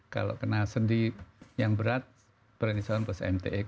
kalau kena sendi yang berat prednison plus mte